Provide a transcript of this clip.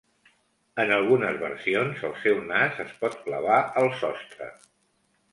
En algunes versions el seu nas es pot clavar al sostre.